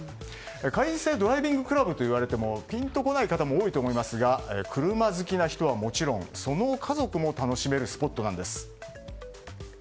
会員制ドライビングクラブと言われてもピンとこない方も多いと思いますが車好きな人はもちろんその家族も楽しめるスポットなんです。